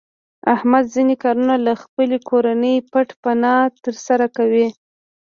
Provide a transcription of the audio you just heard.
احمد ځنې کارونه له خپلې کورنۍ پټ پناه تر سره کوي.